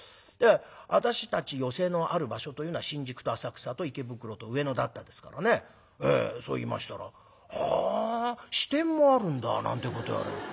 私たち寄席のある場所というのは新宿と浅草と池袋と上野だったですからねそう言いましたら「はあ支店もあるんだ」なんてこと言われる。